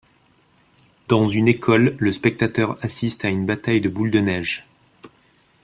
Dans une école, le spectateur assiste à une bataille de boules de neige.